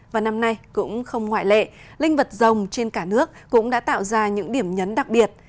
và năm nay cũng không ngoại lệ linh vật rồng trên cả nước cũng đã tạo ra những điểm nhấn đặc biệt